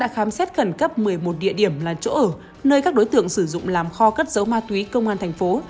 khám xét khẩn cấp một mươi một địa điểm là chỗ ở nơi các đối tượng sử dụng làm kho cất dấu ma túy công an thành phố